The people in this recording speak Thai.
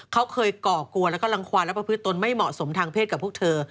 เขาเคยก่อกวนแล้วก็รังความและประพฤติตนไม่เหมาะสมทางเพศกับพวกเธอ